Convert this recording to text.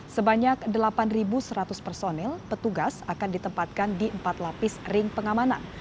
sebanyak delapan seratus personil petugas akan ditempatkan di empat lapis ring pengamanan